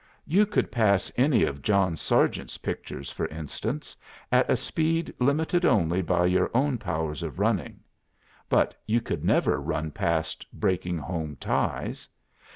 You could pass any of John Sargeant's pictures, for instance, at a speed limited only by your own powers of running; but you could never run past 'Breaking Home Ties.